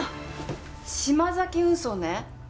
島崎運送ね！